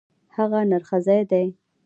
هغه نرښځی دی.